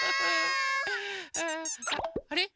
あれ？